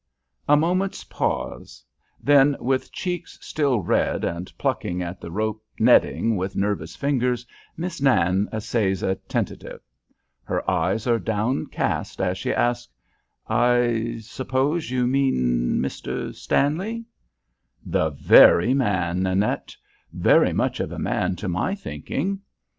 A moment's pause. Then, with cheeks still red, and plucking at the rope netting with nervous fingers, Miss Nan essays a tentative. Her eyes are downcast as she asks, "I suppose you mean Mr. Stanley?" "The very man, Nanette; very much of a man to my thinking."